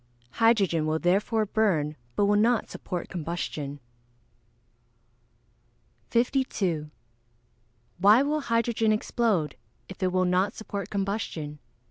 Hydrogen will therefore burn, but will not support combustion. 52. _Why will hydrogen explode, if it will not support combustion?